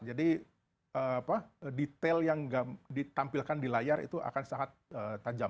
jadi detail yang ditampilkan di layar itu akan sangat tajam